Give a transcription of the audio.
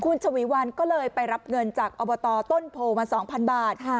คุณฉวีวันก็เลยไปรับเงินจากอบตต้นโพธิ์มาสองพันบาทค่ะ